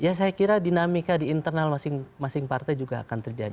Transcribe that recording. ya saya kira dinamika di internal masing masing partai juga akan terjadi